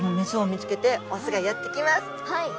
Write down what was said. はい。